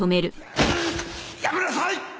やめなさい！